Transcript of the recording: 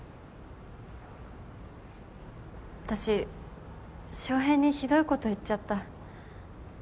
私翔平にひどいこと言っちゃった。